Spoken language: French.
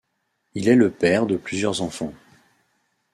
Il est le père de plusieurs enfants.